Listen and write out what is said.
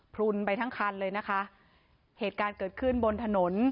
พลุนไปทั้งคันเลยนะคะเหตุการณ์เกิดขึ้นบนถนน